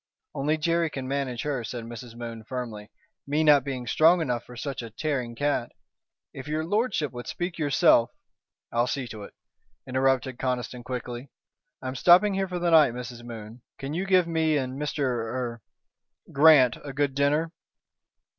"Only Jerry can manage her," said Mrs. Moon, firmly, "me not being strong enough for such a tearing cat. If your lordship would speak yourself " "I'll see to it," interrupted Conniston, quickly. "I'm stopping here for the night, Mrs. Moon. Can you give me and Mr. er Grant a good dinner?"